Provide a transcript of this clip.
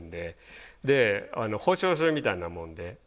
保証するみたいなもんで。